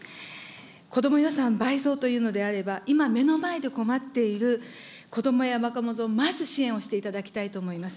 こども予算倍増というのであれば、今、目の前で困っているこどもや若者をまず支援をしていただきたいと思います。